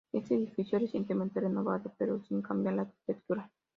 Este edificio, recientemente renovado, pero sin cambiar la arquitectura.